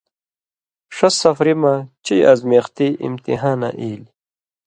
ݜس سفری مہ چٸ ازمیختی (اِمتحانہ) ایلیۡ۔